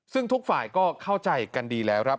ซึ่งทุกฝ่ายก็เข้าใจกันดีแล้วครับ